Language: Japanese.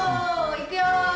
いくよ。